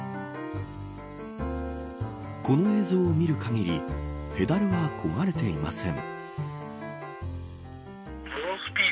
この映像を見る限りペダルは漕がれていません。